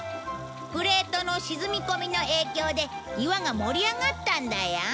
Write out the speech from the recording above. プレートの沈み込みの影響で岩が盛り上がったんだよ。